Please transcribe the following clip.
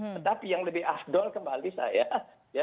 tetapi yang lebih afdol kembali saya